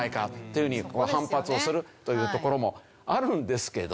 いうふうに反発をするというところもあるんですけど。